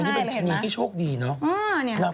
เย้เนยเป็นชนีดที่โชคดีนะคะ